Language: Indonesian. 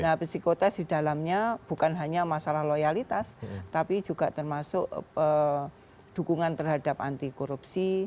nah psikotest di dalamnya bukan hanya masalah loyalitas tapi juga termasuk dukungan terhadap anti korupsi